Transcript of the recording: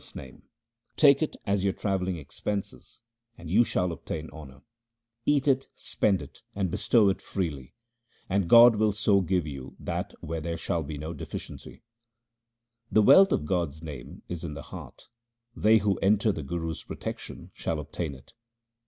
HYMNS OF GURU RAM DAS 345 O saints, lay up God's name ; take it as your travelling expenses and you shall obtain honour : Eat it, spend it, and bestow it freely, and God will so give you that there shall be no deficiency. The wealth of God's name is in the heart ; they who enter the Guru's protection shall obtain it.